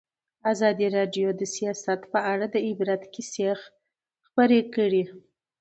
ازادي راډیو د سیاست په اړه د عبرت کیسې خبر کړي.